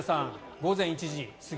午前１時過ぎ。